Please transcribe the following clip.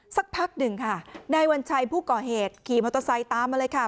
สักพักหนึ่งค่ะนายวัญชัยผู้ก่อเหตุขี่มอเตอร์ไซค์ตามมาเลยค่ะ